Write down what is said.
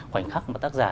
khoảnh khắc mà tác giả